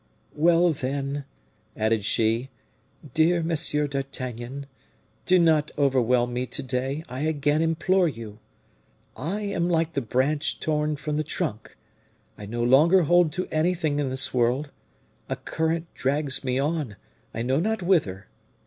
"Well, then," added she, "dear Monsieur d'Artagnan, do not overwhelm me to day, I again implore you! I am like the branch torn from the trunk, I no longer hold to anything in this world a current drags me on, I know not whither.